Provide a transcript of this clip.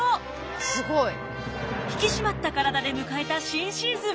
引き締まった体で迎えた新シーズン。